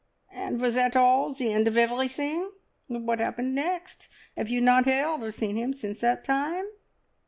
"And was that all, the end of everything? What happened next? Have you not heard or seen him since that time?"